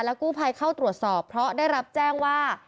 กู้ภัยเข้าตรวจสอบเพราะได้รับแจ้งว่า